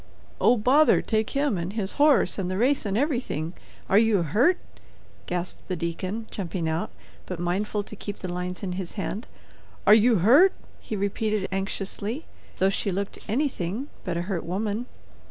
"Oh, bother take him and his horse and the race and everything. Are you hurt?" gasped the deacon, jumping out, but mindful to keep the lines in his hand. "Are you hurt?" he repeated, anxiously, though she looked anything but a hurt woman.